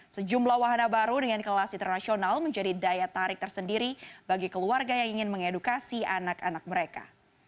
sejumlah wahana baru dengan kelas internasional menjadi daya tarik tersendiri bagi keluarga yang ingin mengedukasi anak anak mereka